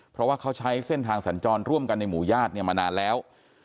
เพราะว่าเขาใช้เส้นทางสัญจรร่วมกันในหมู่ญาติมานานแล้ว